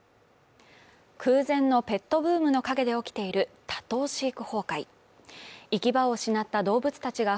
空前のペットブームの陰で起きている多頭飼育崩壊。